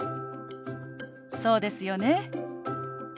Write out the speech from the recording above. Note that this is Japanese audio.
そうですよね。